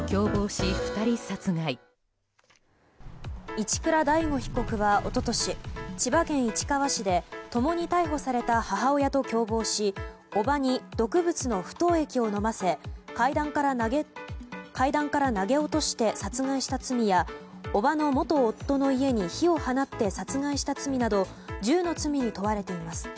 一倉大悟被告は一昨年千葉県市川市で共に逮捕された母親と共謀し伯母に毒物の不凍液を飲ませ階段から投げ落として殺害した罪や伯母の元夫の家に火を放って殺害した罪など１０の罪に問われています。